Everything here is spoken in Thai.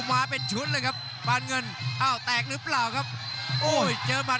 ขวางเอาไว้ครับโอ้ยเด้งเตียวคืนครับฝันด้วยศอกซ้าย